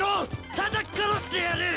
たたき殺してやる！